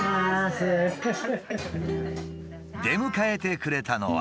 出迎えてくれたのは。